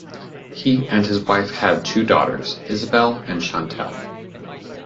He and his wife had two daughters, Isabelle and Chantal.